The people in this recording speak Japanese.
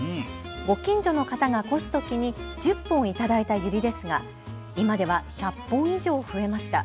ご近所の方が越すときに１０本頂いたユリですが今では１００本以上増えました。